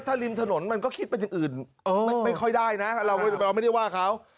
ถ้าริมถนนมันก็คิดเป็นอย่างอื่นไม่ค่อยได้นะเราไม่ได้ว่าเขา